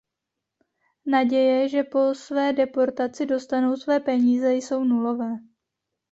Naděje, že po své deportaci dostanou své peníze, jsou nulové.